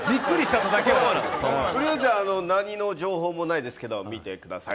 とりあえず何の情報もないですけど、見てください。